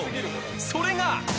それが。